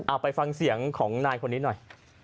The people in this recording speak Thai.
ไปฟังเสียงของนายคนนี้หน่อย